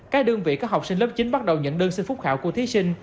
các đơn vị có học sinh lớp chín bắt đầu nhận đơn xin phúc khảo của thí sinh